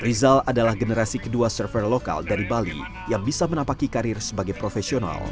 rizal adalah generasi kedua server lokal dari bali yang bisa menapaki karir sebagai profesional